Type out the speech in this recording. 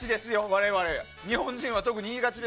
我々、日本人は特に。